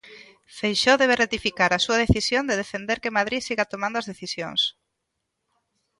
Feixóo debe rectificar a súa decisión de defender que Madrid siga tomando as decisións.